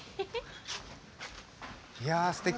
いやすてき。